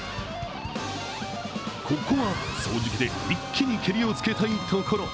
ここは掃除機で一気にけりをつけたいところ。